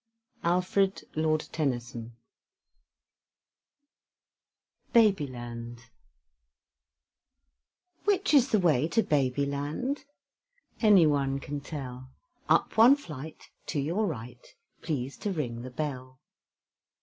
ALFRED, LORD TENNYSON BABY LAND Which is the way to Baby Land? Any one can tell; Up one flight, To your right; Please to ring the bell.